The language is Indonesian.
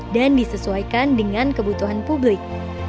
disesuaikan dengan kebutuhan publik